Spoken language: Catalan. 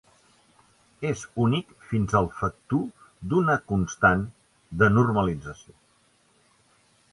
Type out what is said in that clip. És únic fins al factur d'una constant de normalització.